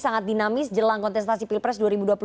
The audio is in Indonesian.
sangat dinamis jelang kontestasi pilpres